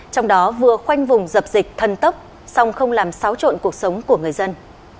trong đó vừa khoanh vùng dập dịch thân tốc xong không làm xáo trộn cuộc sống của người dân